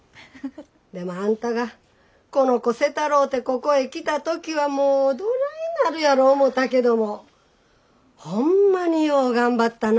でもあんたがこの子せたろうてここへ来た時はもうどないなるやろ思たけどもホンマによう頑張ったな。